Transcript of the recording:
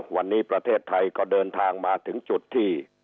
วันนี้ประเทศไทยก็เดินทางมาถึงจุดที่